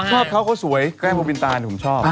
ชอบเขาเขาสวยแก้มบินตาลผมชอบ